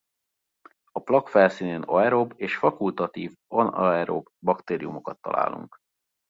A plakk felszínén aerob és fakultatív anaerob baktériumokat találunk.